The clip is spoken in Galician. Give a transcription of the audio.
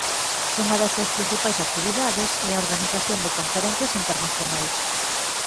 Unha das súas principais actividades é a organización de conferencias internacionais.